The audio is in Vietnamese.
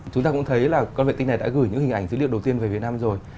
chúng ta cũng thấy là con vệ tinh này đã gửi những hình ảnh dữ liệu đầu tiên về việt nam rồi